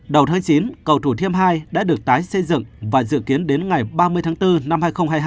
đầu tháng chín cầu thủ thiêm hai đã được tái xây dựng và dự kiến đến ngày ba mươi tháng bốn năm hai nghìn hai mươi hai